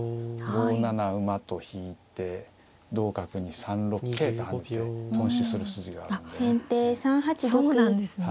５七馬と引いて同角に３六桂と跳ねて頓死する筋があるんでね。